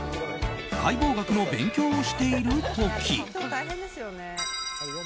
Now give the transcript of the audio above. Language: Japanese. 解剖学の勉強をしている時。